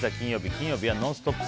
金曜日はＮＯＮＳＴＯＰ！